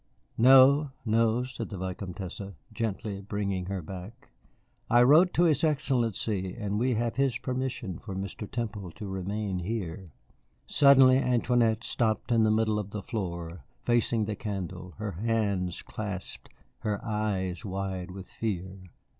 "No, no," said the Vicomtesse, gently bringing her back. "I wrote to his Excellency and we have his permission for Mr. Temple to remain here." Suddenly Antoinette stopped in the middle of the floor, facing the candle, her hands clasped, her eyes wide with fear.